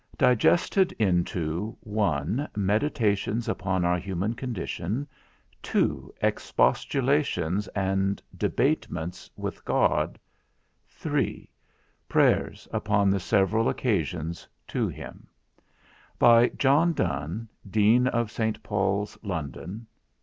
Digested into 1. MEDITATIONS upon our Humane Condition. 2. EXPOSTULATIONS, and Debatements with God. 3. PRAYERS, upon the severall occasions, to him. By IOHN DONNE, Deane of S. Pauls, London.